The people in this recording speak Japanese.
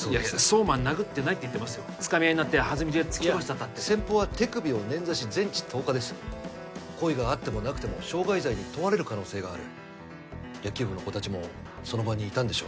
壮磨は殴ってないって言ってますよつかみ合いになってはずみで突き飛ばしちゃったって先方は手首を捻挫して全治１０日ですよ故意があってもなくても傷害罪に問われる可能性がある野球部の子達もその場にいたんでしょ？